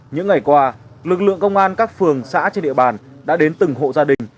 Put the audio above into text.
những ngày qua lực lượng công an các phường xã trên địa bàn đã đến từng hộ gia đình